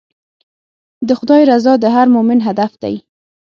د خدای رضا د هر مؤمن هدف دی.